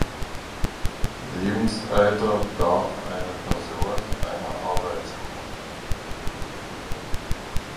Lebensalter darf eine Person eine Arbeit suchen.